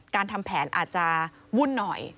การทำแผนอาจจะวุ่นหน่อย